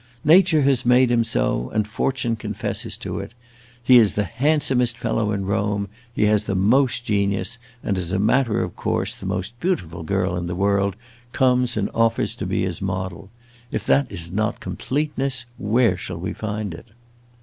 Nature has made him so, and fortune confesses to it! He is the handsomest fellow in Rome, he has the most genius, and, as a matter of course, the most beautiful girl in the world comes and offers to be his model. If that is not completeness, where shall we find it?"